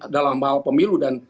dalam bahwa pemilu dan